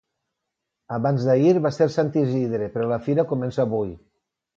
Abans d'ahir va ser Sant Isidre però la fira comença avui